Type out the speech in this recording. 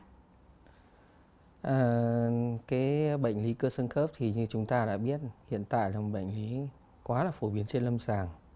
cái bệnh lý cơ xương khớp thì như chúng ta đã biết hiện tại là một bệnh lý quá là phổ biến trên lâm sàng